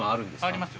ありますよ。